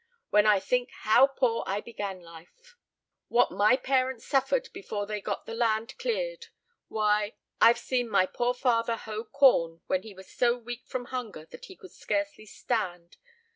When I think how poor I began life; what my parents suffered before they got the land cleared; why, I've seen my poor father hoe corn when he was so weak from hunger that he could scarcely stand.